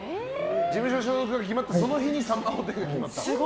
事務所所属が決まったその日に「さんま御殿！！」が決まった。